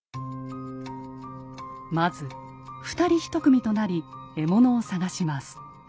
まず二人一組となり獲物を探します。